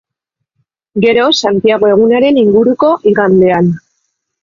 Gero Santiago egunaren inguruko igandean.